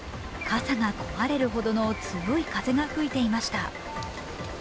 傘が壊れるほどの強い風が吹いていました。